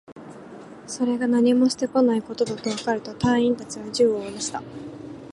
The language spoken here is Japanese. それが何もしてこないことがわかると、隊員達は銃をおろした